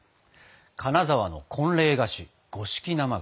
金沢の婚礼菓子五色生菓子。